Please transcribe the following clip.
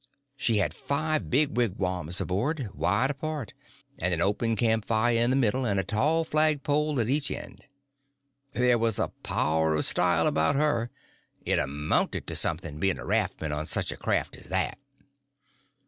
She had five big wigwams aboard, wide apart, and an open camp fire in the middle, and a tall flag pole at each end. There was a power of style about her. It amounted to something being a raftsman on such a craft as that.